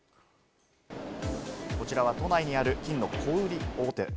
こちらは都内にある金の小売大手。